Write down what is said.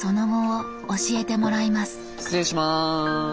失礼します。